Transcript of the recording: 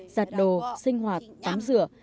giặt đồ sinh hoạt tắm rửa